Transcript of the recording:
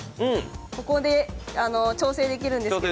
ここで調整できるんですけど。